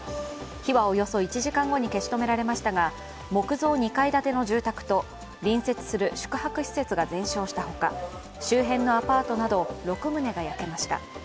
火はおよそ１時間後に消し止められましたが木造２階建ての住宅と隣接する宿泊施設が全焼したほか、周辺のアパートなど６棟が焼けました。